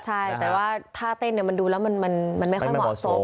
ใช่แต่ว่าท่าเต้นมันดูแล้วมันไม่ค่อยเหมาะสม